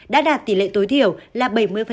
đã đạt tỷ lệ tối thiểu là bảy mươi